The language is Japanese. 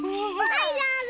はいどうぞ！